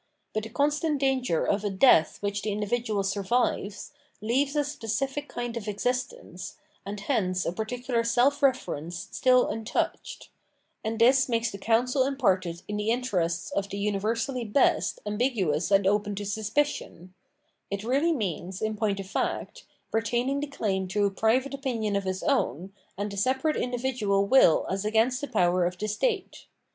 But the constant danger of a death which the individual survives, leaves a specific kind of existence, and hence a particular self reference still untouched; and this makes the counsel imparted in the interests of the universally best ambiguous and open to suspicion ; it really means, in point of fact, retauiing the claim to a private opinion of his own, and a separate individual will as against the power of the state.